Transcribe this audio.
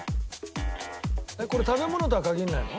これ食べ物とは限らないの？